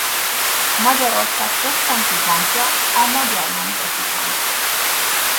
Magyarország központi bankja a Magyar Nemzeti Bank.